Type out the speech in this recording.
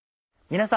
皆様。